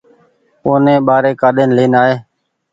اوني ٻآري ڪآڏين لين آئي